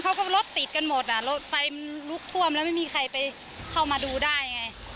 เขาก็รถติดกันหมดไฟลุกท่วมแล้วไม่มีใครเข้ามาดูได้